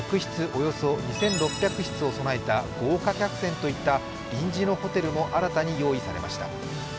およそ２６００室を備えた豪華客船といった臨時のホテルも新たに用意されました。